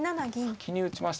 先に打ちましたね。